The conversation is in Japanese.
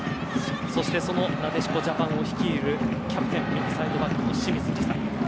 そして、そのなでしこジャパンを率いるキャプテンでありサイドバックの清水梨紗。